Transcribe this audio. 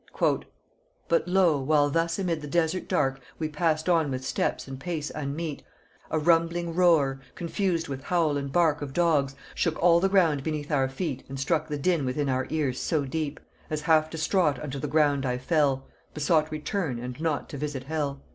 "But lo, while thus amid the desert dark We passed on with steps and pace unmeet, A rumbling roar, confused with howl and bark Of dogs, shook all the ground beneath our feet, And struck the din within our ears so deep, As half distraught unto the ground I fell; Besought return, and not to visit hell."